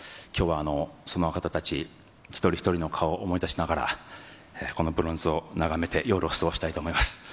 きょうはその方たち、一人一人の顔を思い出しながら、このブロンズを眺めて、夜を過ごしたいと思います。